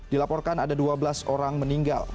dilaporkan ada dua belas orang meninggal